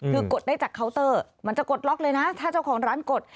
คือกดได้จากเคาน์เตอร์มันจะกดล็อกเลยนะถ้าเจ้าของร้านกด